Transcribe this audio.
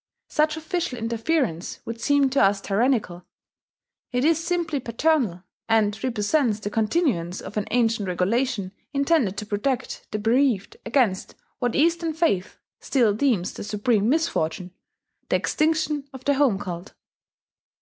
Such official interference would seem to us tyrannical: it is simply paternal, and represents the continuance of an ancient regulation intended to protect the bereaved against what Eastern faith still deems the supreme misfortune, the extinction of the home cult....